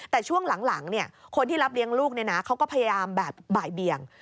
แต่ช่วงหลังคนที่รับเลี้ยงลูกเขาก็พยายามแบบบ่ายเบียง